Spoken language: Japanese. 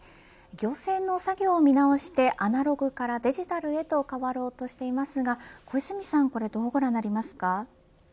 行政の作業を見直しでアナログからデジタルへと変わろうとしていますが小泉さんどうご覧になりますか。